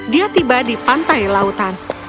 dia tiba di pantai lautan